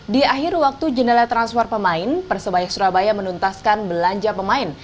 di akhir waktu jendela transfer pemain persebaya surabaya menuntaskan belanja pemain